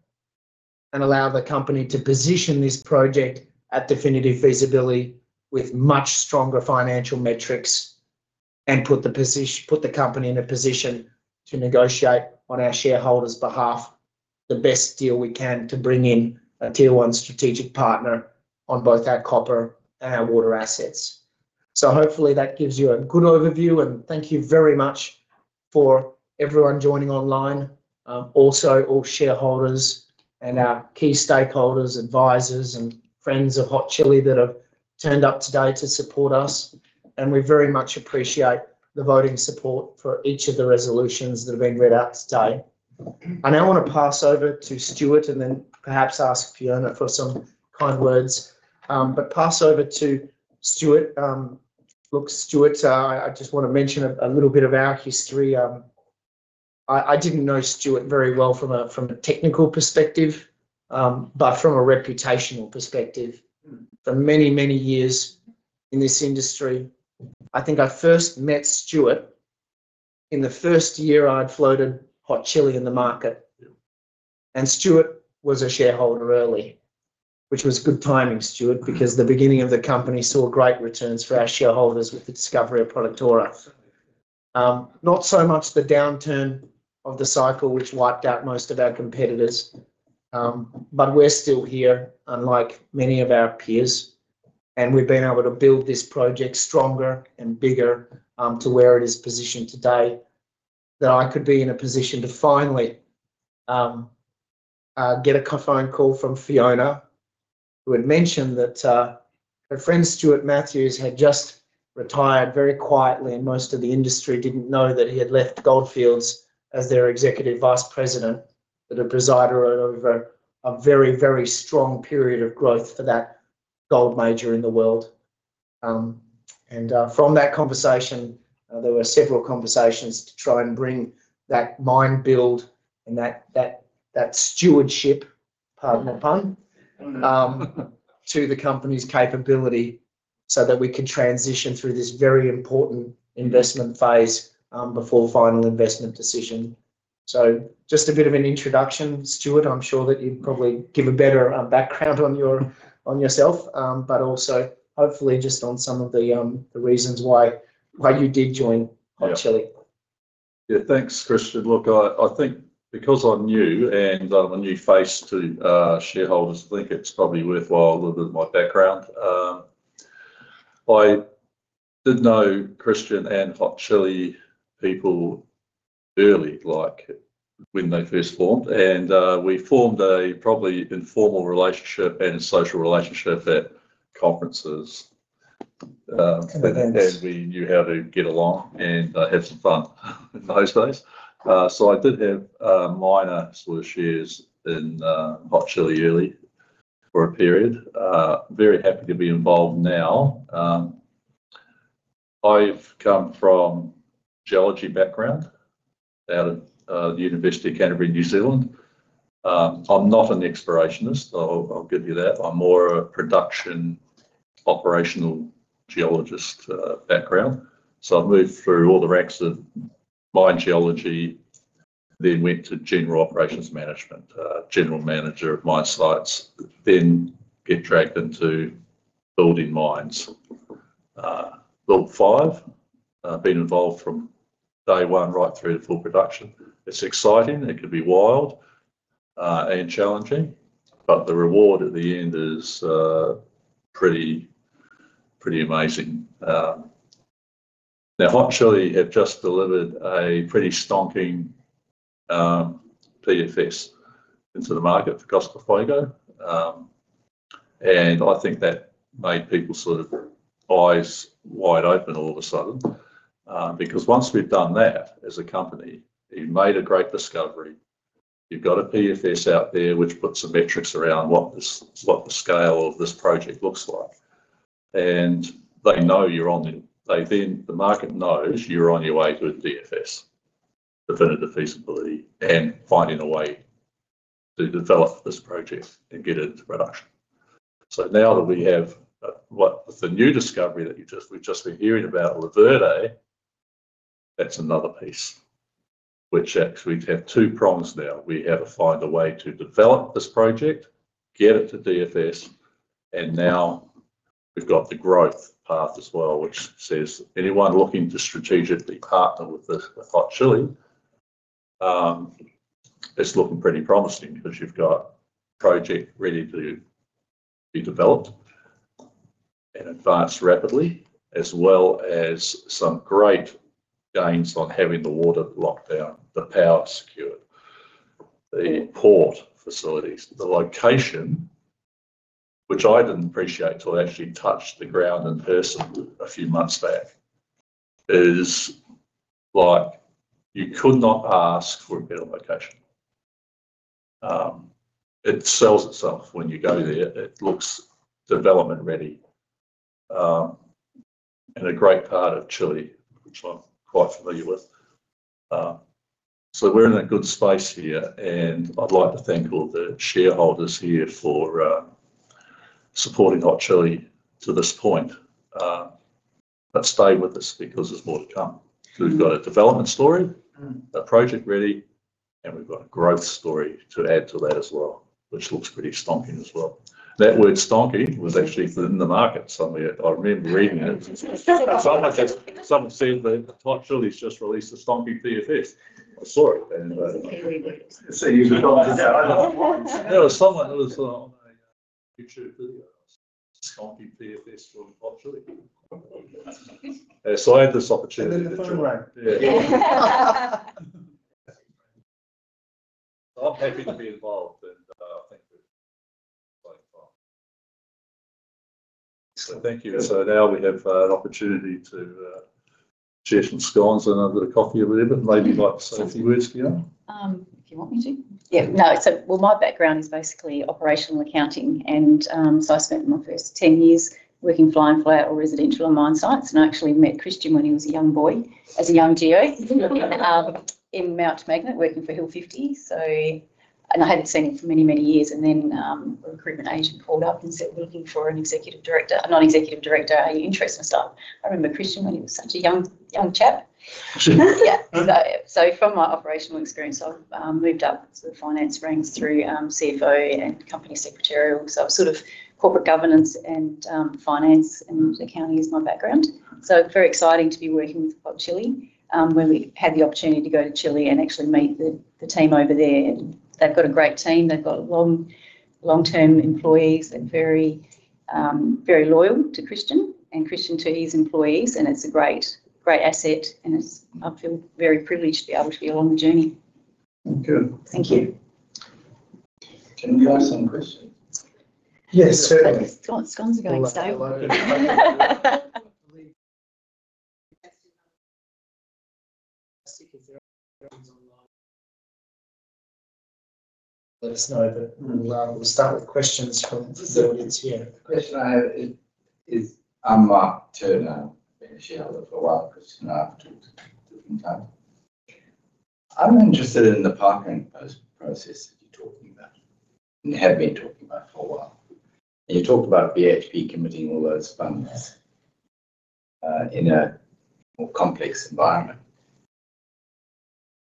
and allow the company to position this project at definitive feasibility with much stronger financial metrics and put the company in a position to negotiate on our shareholders' behalf the best deal we can to bring in a tier-one strategic partner on both our copper and our water assets. Hopefully that gives you a good overview. Thank you very much for everyone joining online, also all shareholders and our key stakeholders, advisors, and friends of Hot Chili that have turned up today to support us. We very much appreciate the voting support for each of the resolutions that have been read out today. I now want to pass over to Stuart and then perhaps ask Fiona for some kind words. Pass over to Stuart. Look, Stuart, I just want to mention a little bit of our history. I didn't know Stuart very well from a technical perspective, but from a reputational perspective, for many, many years in this industry, I think I first met Stuart in the first year I'd floated Hot Chili in the market. And Stuart was a shareholder early, which was good timing, Stuart, because the beginning of the company saw great returns for our shareholders with the discovery of Productora. Not so much the downturn of the cycle, which wiped out most of our competitors, but we're still here, unlike many of our peers. We have been able to build this project stronger and bigger to where it is positioned today that I could be in a position to finally get a phone call from Fiona, who had mentioned that her friend Stuart Mathews had just retired very quietly, and most of the industry did not know that he had left Gold Fields as their Executive Vice President, that had presided over a very, very strong period of growth for that gold major in the world. From that conversation, there were several conversations to try and bring that mine build and that stewardship partner pun to the company's capability so that we could transition through this very important investment phase before final investment decision. Just a bit of an introduction, Stuart, I'm sure that you'd probably give a better background on yourself, but also hopefully just on some of the reasons why you did join Hot Chili. Yeah, thanks, Christian. Look, I think because I'm new and I'm a new face to shareholders, I think it's probably worthwhile a little bit of my background. I did know Christian and Hot Chili people early, like when they first formed. We formed a probably informal relationship and social relationship at conferences. We knew how to get along and have some fun those days. I did have minor sort of shares in Hot Chili early for a period. Very happy to be involved now. I've come from a geology background out of the University of Canterbury, New Zealand. I'm not an explorationist. I'll give you that. I'm more a production operational geologist background. I've moved through all the ranks of mine geology, then went to general operations management, general manager of mine sites, then get dragged into building mines. Built five. Been involved from day one right through to full production. It's exciting. It could be wild and challenging. The reward at the end is pretty amazing. Now, Hot Chili have just delivered a pretty stonking PFS into the market for Costa Fuego. I think that made people sort of eyes wide open all of a sudden. Because once we've done that as a company, you've made a great discovery. You've got a PFS out there which puts some metrics around what the scale of this project looks like. They know you're on them. The market knows you're on your way to a DFS, definitive feasibility, and finding a way to develop this project and get it into production. Now that we have the new discovery that we've just been hearing about, La Verde, that's another piece, which actually we have two prongs now. We have to find a way to develop this project, get it to DFS, and now we've got the growth path as well, which says anyone looking to strategically partner with Hot Chili is looking pretty promising because you've got a project ready to be developed and advanced rapidly, as well as some great gains on having the water locked down, the power secured, the port facilities. The location, which I didn't appreciate till I actually touched the ground in person a few months back, is like you could not ask for a better location. It sells itself when you go there. It looks development-ready and a great part of Chile, which I'm quite familiar with. We're in a good space here. I'd like to thank all the shareholders here for supporting Hot Chili to this point. Stay with us because there's more to come. We've got a development story, a project ready, and we've got a growth story to add to that as well, which looks pretty stonking as well. That word stonking was actually in the market. I remember reading it. Someone said that Hot Chili's just released a stonking PFS. I saw it. I used to come to that. There was someone that was on a YouTube video. Stonking PFS from Hot Chili. I had this opportunity to join. I'm happy to be involved. I think that's fine. Thank you. Now we have an opportunity to share some scones and a bit of coffee a little bit. Maybe like to say a few words, Fiona? If you want me to. Yeah. No. My background is basically operational accounting. I spent my first 10 years working flying flat or residential on mine sites. I actually met Christian when he was a young boy as a young GO in Mount Magnet working for Hill 50. I had not seen him for many, many years. Then a recruitment agent called up and said, "We're looking for a non-executive director. Are you interested?" I remember Christian when he was such a young chap. From my operational experience, I have moved up through the finance ranks through CFO and company secretarial. Corporate governance and finance and accounting is my background. It is very exciting to be working with Hot Chili when we had the opportunity to go to Chile and actually meet the team over there. They have got a great team. They've got long-term employees and are very loyal to Christian and Christian to his employees. It is a great asset. I feel very privileged to be able to be along the journey. Thank you. Thank you. Can you ask some questions? Yes, certainly. If questions are going slow, let us know. We will start with questions from the audience here. The question I have is, I might turn and finish out for a while because I've talked at different times. I'm interested in the partnering process that you're talking about and have been talking about for a while. You talked about BHP committing all those funds in a more complex environment.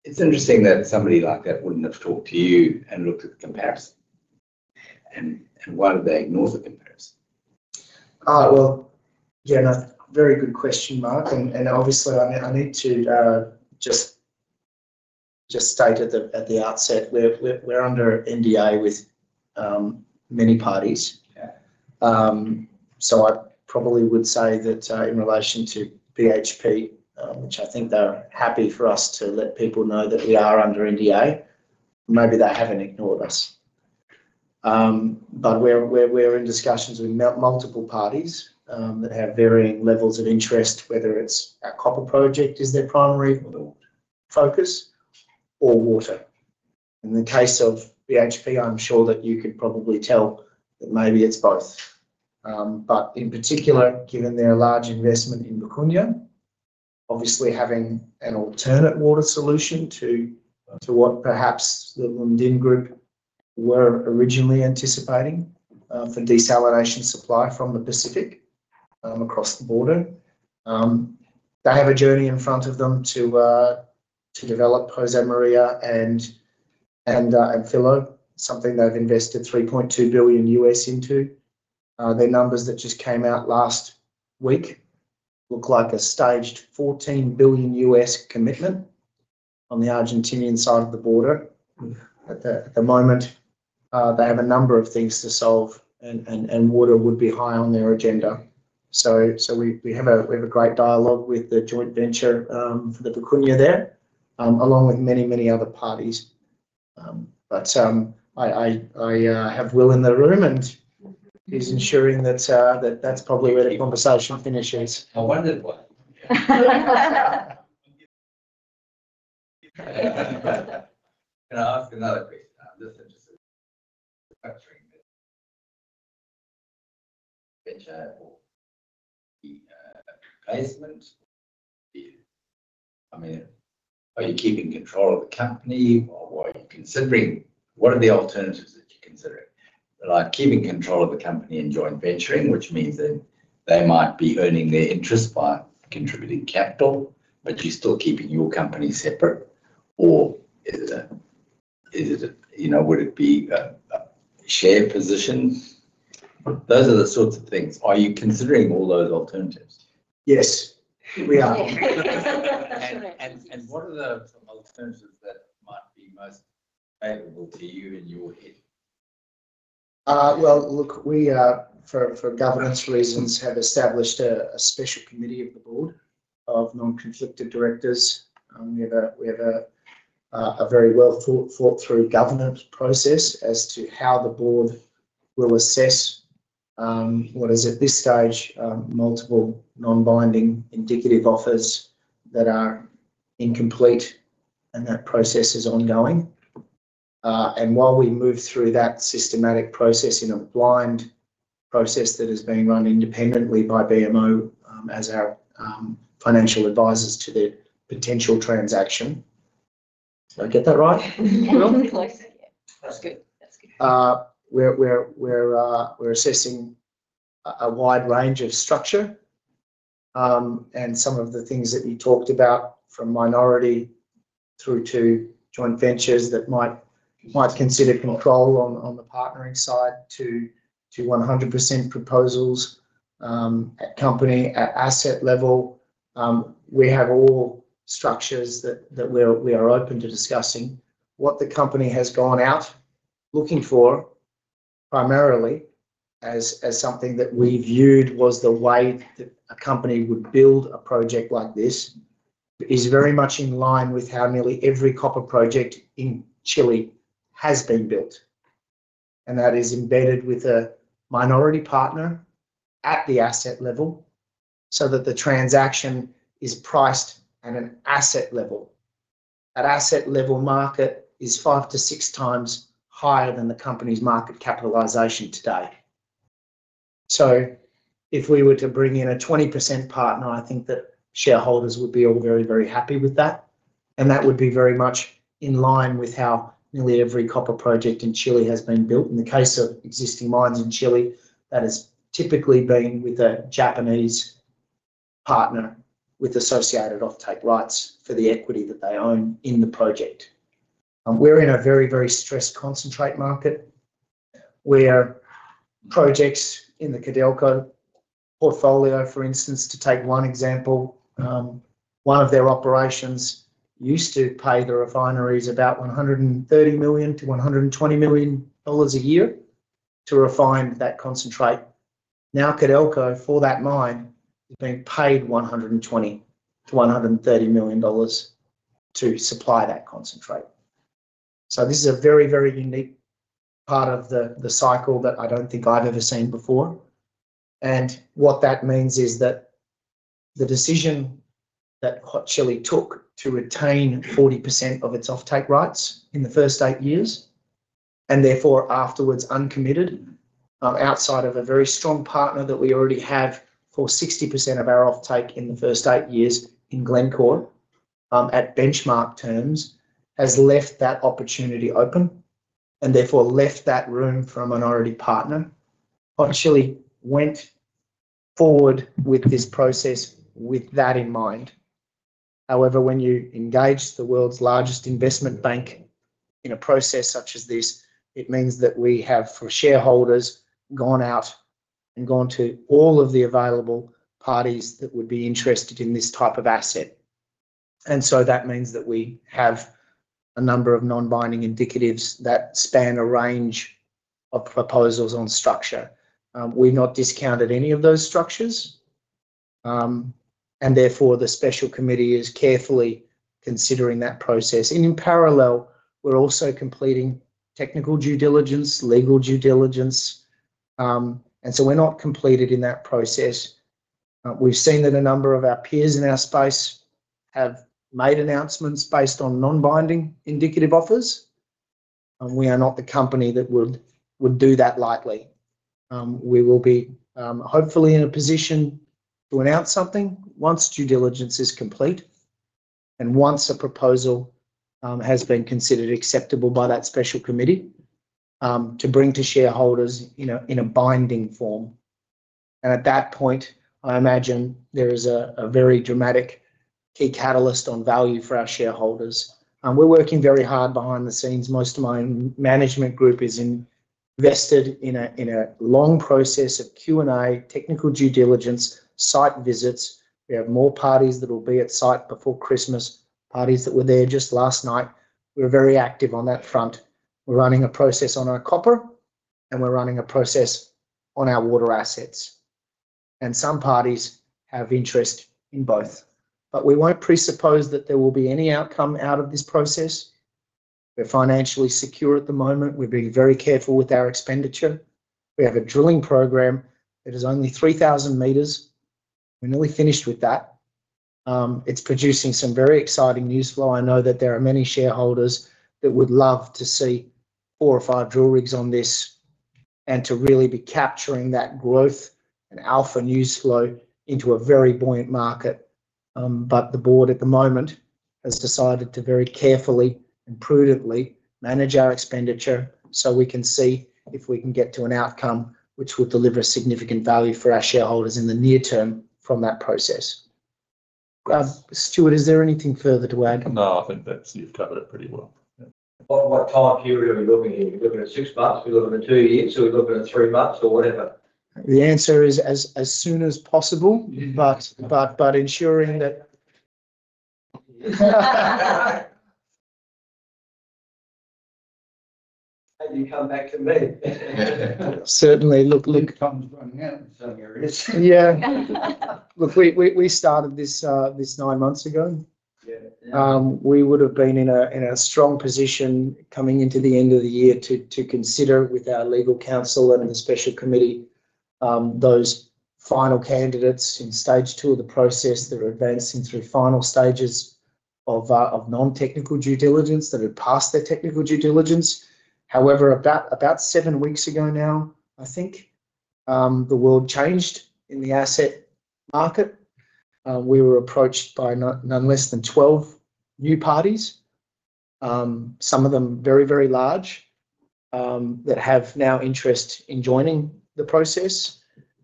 It's interesting that somebody like that wouldn't have talked to you and looked at the comparison. Why did they ignore the comparison? Well, Jen, that's a very good question, Mark. Obviously, I need to just state at the outset, we're under NDA with many parties. I probably would say that in relation to BHP, which I think they're happy for us to let people know that we are under NDA, maybe they haven't ignored us. We're in discussions with multiple parties that have varying levels of interest, whether it's our copper project as their primary focus or water. In the case of BHP, I'm sure that you could probably tell that maybe it's both. In particular, given their large investment in Bocuna, obviously having an alternate water solution to what perhaps the Lundin Group were originally anticipating for desalination supply from the Pacific across the border, they have a journey in front of them to develop Jose Maria and Phillow, something they've invested $3.2 billion into. Their numbers that just came out last week look like a staged $14 billion US commitment on the Argentinian side of the border. At the moment, they have a number of things to solve, and water would be high on their agenda. We have a great dialogue with the joint venture for the Bocuna there, along with many, many other parties. I have Will in the room, and he's ensuring that that's probably where the conversation finishes. I wondered why. Can I ask another question? I'm just interested in the venture or the placement. I mean, are you keeping control of the company? What are you considering? What are the alternatives that you're considering? Keeping control of the company and joint venturing, which means that they might be earning their interest by contributing capital, but you're still keeping your company separate. Or would it be a share position? Those are the sorts of things. Are you considering all those alternatives? Yes, we are. What are the alternatives that might be most favorable to you in your head? Look, we are, for governance reasons, have established a special committee of the board of non-conflicted directors. We have a very well-thought-through governance process as to how the board will assess what is, at this stage, multiple non-binding indicative offers that are incomplete, and that process is ongoing. While we move through that systematic process in a blind process that is being run independently by BMO as our financial advisors to the potential transaction—did I get that right? Yeah, that's good. That's good. We're assessing a wide range of structure. Some of the things that you talked about from minority through to joint ventures that might consider control on the partnering side to 100% proposals at company, at asset level, we have all structures that we are open to discussing. What the company has gone out looking for primarily is something that we viewed was the way that a company would build a project like this is very much in line with how nearly every copper project in Chile has been built. That is embedded with a minority partner at the asset level so that the transaction is priced at an asset level. That asset-level market is five to six times higher than the company's market capitalization today. If we were to bring in a 20% partner, I think that shareholders would be all very, very happy with that. That would be very much in line with how nearly every copper project in Chile has been built. In the case of existing mines in Chile, that has typically been with a Japanese partner with associated off-take rights for the equity that they own in the project. We are in a very, very stressed concentrate market where projects in the Codelco portfolio, for instance, to take one example, one of their operations used to pay the refineries about $130 million-$120 million a year to refine that concentrate. Now, Codelco for that mine is being paid $120 million-$130 million to supply that concentrate. This is a very, very unique part of the cycle that I do not think I have ever seen before. What that means is that the decision that Hot Chili took to retain 40% of its off-take rights in the first eight years and therefore afterwards uncommitted outside of a very strong partner that we already have for 60% of our off-take in the first eight years in Glencore at benchmark terms has left that opportunity open and therefore left that room for a minority partner. Hot Chili went forward with this process with that in mind. However, when you engage the world's largest investment bank in a process such as this, it means that we have, for shareholders, gone out and gone to all of the available parties that would be interested in this type of asset. That means that we have a number of non-binding indicatives that span a range of proposals on structure. We've not discounted any of those structures. Therefore, the special committee is carefully considering that process. In parallel, we're also completing technical due diligence, legal due diligence. We're not completed in that process. We've seen that a number of our peers in our space have made announcements based on non-binding indicative offers. We are not the company that would do that lightly. We will be hopefully in a position to announce something once due diligence is complete and once a proposal has been considered acceptable by that special committee to bring to shareholders in a binding form. At that point, I imagine there is a very dramatic key catalyst on value for our shareholders. We're working very hard behind the scenes. Most of my management group is invested in a long process of Q&A, technical due diligence, site visits. We have more parties that will be at site before Christmas, parties that were there just last night. We're very active on that front. We're running a process on our copper, and we're running a process on our water assets. Some parties have interest in both. We won't presuppose that there will be any outcome out of this process. We're financially secure at the moment. We're being very careful with our expenditure. We have a drilling program that is only 3,000 meters. We're nearly finished with that. It's producing some very exciting news flow. I know that there are many shareholders that would love to see four or five drill rigs on this and to really be capturing that growth and alpha news flow into a very buoyant market. The board at the moment has decided to very carefully and prudently manage our expenditure so we can see if we can get to an outcome which will deliver significant value for our shareholders in the near term from that process. Stuart, is there anything further to add? No, I think you've covered it pretty well. What time period are we looking at here? Are we looking at six months? Are we looking at two years? Are we looking at three months or whatever? The answer is as soon as possible, but ensuring that. You come back to me. Certainly. Look, look. Time's running out in some areas. Yeah. Look, we started this nine months ago. We would have been in a strong position coming into the end of the year to consider with our legal counsel and the special committee those final candidates in stage two of the process that are advancing through final stages of non-technical due diligence that have passed their technical due diligence. However, about seven weeks ago now, I think, the world changed in the asset market. We were approached by no less than 12 new parties, some of them very, very large that have now interest in joining the process,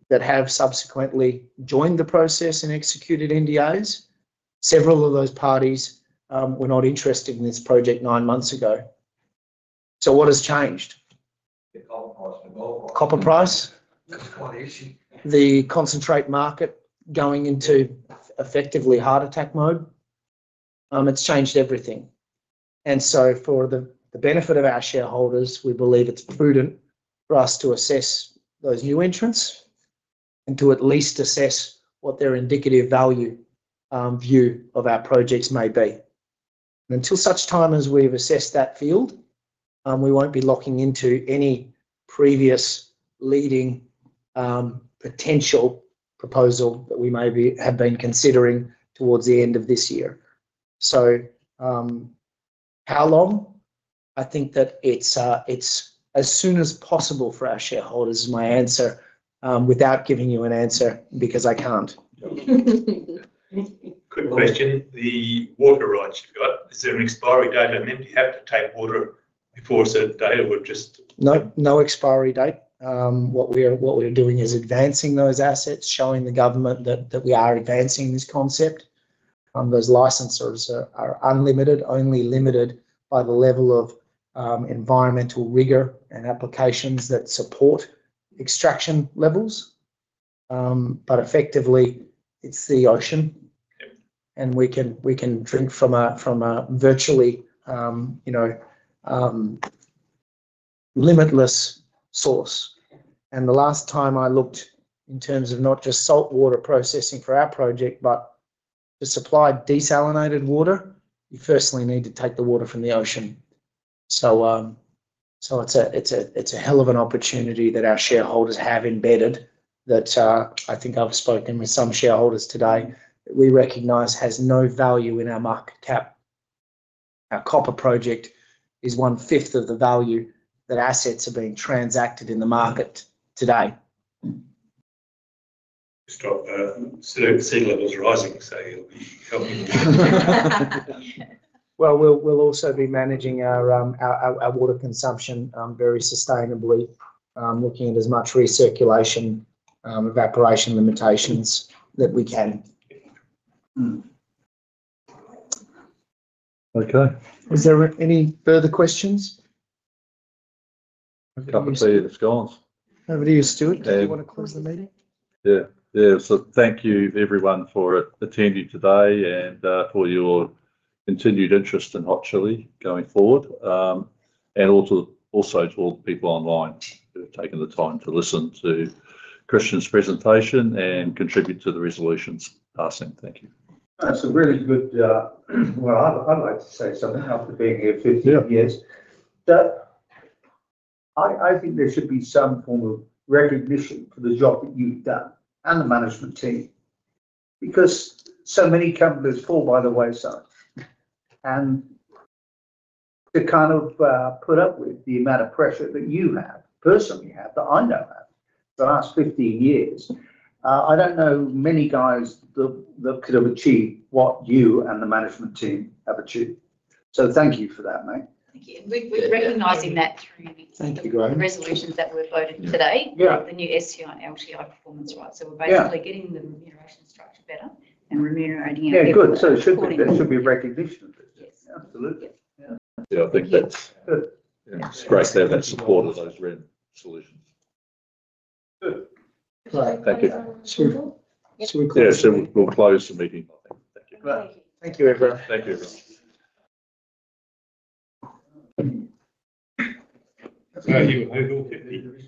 that have subsequently joined the process and executed NDAs. Several of those parties were not interested in this project nine months ago. What has changed? The copper price. The gold price. Copper price. That's quite easy. The concentrate market going into effectively heart attack mode. It's changed everything. For the benefit of our shareholders, we believe it's prudent for us to assess those new entrants and to at least assess what their indicative value view of our projects may be. Until such time as we've assessed that field, we won't be locking into any previous leading potential proposal that we may have been considering towards the end of this year. How long? I think that it's as soon as possible for our shareholders is my answer without giving you an answer because I can't. Quick question. The water rights you've got, is there an expiry date? I mean, do you have to take water before a certain date or just? No expiry date. What we're doing is advancing those assets, showing the government that we are advancing this concept. Those licenses are unlimited, only limited by the level of environmental rigor and applications that support extraction levels. Effectively, it's the ocean, and we can drink from a virtually limitless source. The last time I looked in terms of not just saltwater processing for our project, but to supply desalinated water, you firstly need to take the water from the ocean. It's a hell of an opportunity that our shareholders have embedded that I think I've spoken with some shareholders today that we recognize has no value in our market cap. Our copper project is one-fifth of the value that assets are being transacted in the market today. Stop. Sea level's rising, so you'll be helping. We'll also be managing our water consumption very sustainably, looking at as much recirculation, evaporation limitations that we can. Okay. Is there any further questions? I'm happy to see the scans. Over to you, Stuart. Do you want to close the meeting? Yeah. Yeah. Thank you, everyone, for attending today and for your continued interest in Hot Chili going forward. Also to all the people online who have taken the time to listen to Christian's presentation and contribute to the resolution's passing. Thank you. That's a really good—I'd like to say something after being here 15 years. I think there should be some form of recognition for the job that you've done and the management team because so many companies fall by the wayside. To kind of put up with the amount of pressure that you have, personally have, that I know have for the last 15 years, I don't know many guys that could have achieved what you and the management team have achieved. Thank you for that, mate. Thank you. Recognizing that through the resolutions that were voted today, the new STI LTI performance rights, we are basically getting the remuneration structure better and remunerating everything. Yeah. Good. It should be a recognition of it. Yes. Absolutely. Yeah. I think that's great to have that support of those resolutions. Good. Thank you. Stuart? Yeah. We will close the meeting, I think. Thank you. Thank you, everyone. Thank you, everyone. That's about you. I think we're all happy.